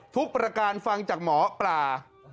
ประการฟังจากหมอปลา